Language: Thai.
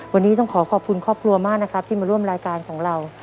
วันนี้ต้องขอขอบคุณครอบครัวมากนะครับที่มาร่วมรายการของเรา